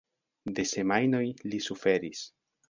De semajnoj li suferis.